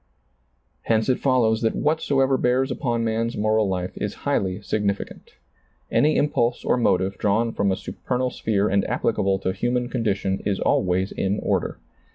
Hence it follows that whatsoever bears upon man's moral life is highly significant Any im pulse or motive drawn from a supernal sphere and ^plicable to human condition is always in order.